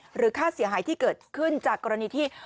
ค่าเสียหายที่เกิดขึ้นจากกรณีที่